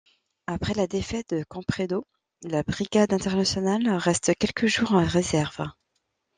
Après la défaite de Campredó, la Brigade Internationale reste quelques jours en réserve.